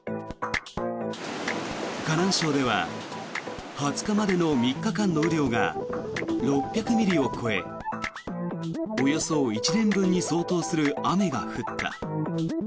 河南省では２０日までの３日間の雨量が６００ミリを超えおよそ１年分に相当する雨が降った。